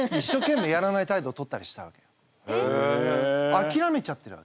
あきらめちゃってるわけ。